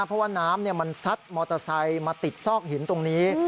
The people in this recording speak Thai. เพราะว่าน้ำมันซัดมอเตอร์ไซค์มาติดซอกหินตรงนี้